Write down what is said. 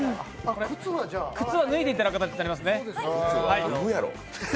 靴は脱いでいただく形になりますね。